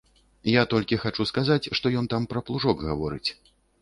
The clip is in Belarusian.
Я толькі хачу сказаць, што ён там пра плужок гаворыць.